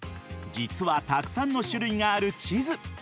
実はたくさんの種類がある地図。